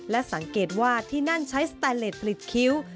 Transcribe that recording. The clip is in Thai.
และสังเกตว่าที่นั่นใช้สแตนเลสผลิตคิ้ว